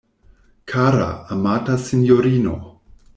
Kara, amata sinjorino!